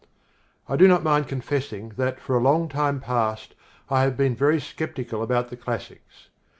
I do not mind confessing that for a long time past I have been very sceptical about the classics.